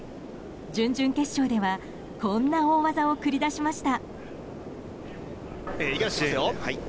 準々決勝ではこんな大技を繰り出しました。